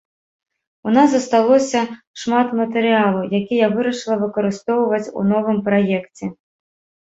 У нас засталося шмат матэрыялу, які я вырашыла выкарыстоўваць у новым праекце.